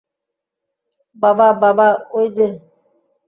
বাবা, বাবা, ঐ যে!